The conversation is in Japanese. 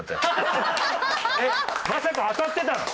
えっまさか当たってたの？